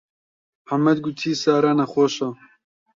موحەممەد گوتی سارا نەخۆشە.